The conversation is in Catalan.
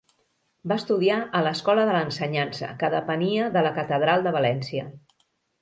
Va estudiar a l'escola de l'Ensenyança, que depenia de la Catedral de València.